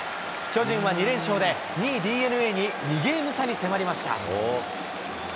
巨人は２連勝で２位ＤｅＮＡに２ゲーム差に迫りました。